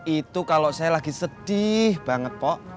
itu kalau saya lagi sedih banget kok